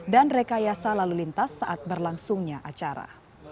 dan rekayasa lalu lintas saat berlangsungnya acara